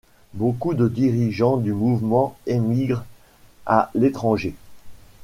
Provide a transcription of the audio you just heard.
Beaucoup de dirigeants du mouvement émigrent à l'étranger.